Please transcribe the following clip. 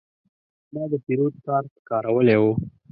ما د پیرود کارت کارولی و.